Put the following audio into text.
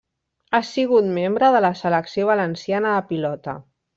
Ha sigut membre de la Selecció Valenciana de Pilota.